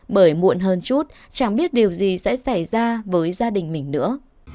bởi muộn hơn chút chẳng biết điều gì sẽ xảy ra với gia đình mình nữa